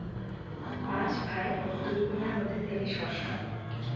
পাঁচ ভাই ও দুই বোনের মধ্যে তিনি ষষ্ঠ।